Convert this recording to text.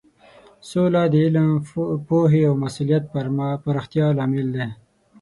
سوله د علم، پوهې او مسولیت پراختیا لامل دی.